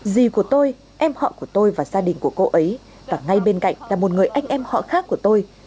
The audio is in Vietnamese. dì của tôi em họ của tôi và gia đình của cô ấy và ngay bên cạnh là một người anh em họ khác của tôi